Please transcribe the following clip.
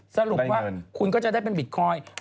สรุปว่าคุณก็จะได้เป็นบิตคอยน์